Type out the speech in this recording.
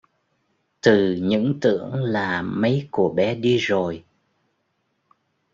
Từ những tưởng là mấy của bé đi rồi